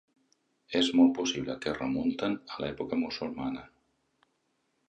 És molt possible que es remunten a l'època musulmana.